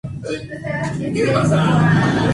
Verd fue torturado en procura de información.